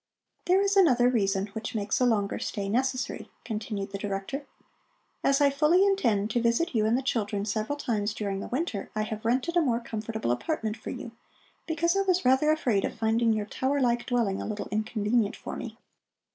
"There is another reason which makes a longer stay necessary," continued the Director. "As I fully intend to visit you and the children several times during the winter, I have rented a more comfortable apartment for you, because I was rather afraid of finding your tower like dwelling a little inconvenient for me.